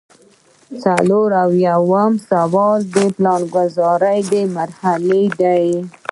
څلور اویایم سوال د پلانګذارۍ مراحل دي.